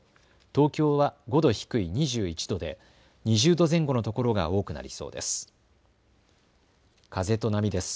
東京は５度低い２１度で２０度前後の所が多くなりそうです。